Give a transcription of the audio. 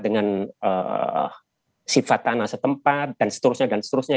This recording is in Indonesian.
dengan sifat tanah setempat dan seterusnya dan seterusnya